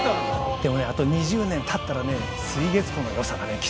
でもねあと２０年たったらね水月湖のよさがねきっと分かるから。